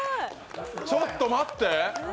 ちょっと待って。